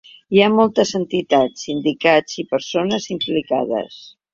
Hi ha moltes entitats, sindicats i persones implicades.